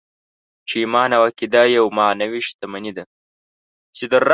چې ايمان او عقیده يوه معنوي شتمني ده.